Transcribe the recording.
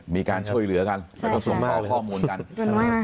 มีการช่วยเหลือกันแล้วก็ส่งต่อข้อมูลกัน